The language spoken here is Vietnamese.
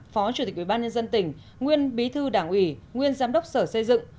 phó chủ tịch ủy ban nhân dân tỉnh nguyên bí thư đảng ủy nguyên giám đốc sở xây dựng